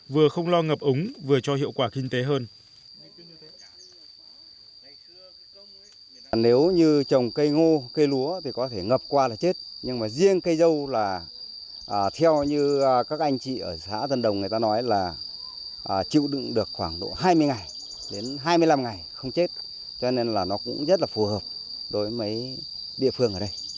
vừa không lo ngập ống vừa cho hiệu quả kinh tế hơn